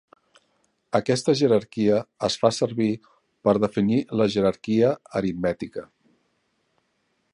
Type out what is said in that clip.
Aquesta jerarquia es fa servir per definir la jerarquia aritmètica.